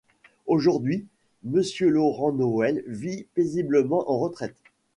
Aujourd'hui, M Laurent Noël vit paisiblement en retraite.